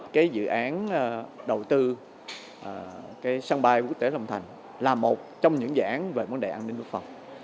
cái dự án đầu tư cái sân bay quốc tế long thành là một trong những dự án về vấn đề an ninh quốc phòng